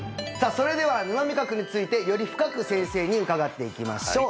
それでは沼味覚についてより深く先生に伺っていきましょう